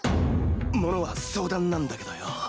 物は相談なんだけどよぉ。